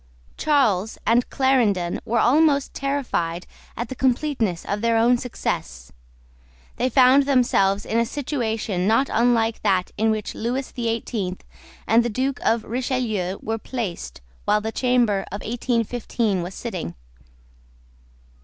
Charles and Clarendon were almost terrified at the completeness of their own success. They found themselves in a situation not unlike that in which Lewis the Eighteenth and the Duke of Richelieu were placed while the Chamber of 1815 was sitting.